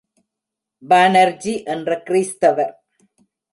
பானர்ஜி என்ற கிறிஸ்தவர்.